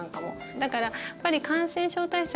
だから、やっぱり感染症対策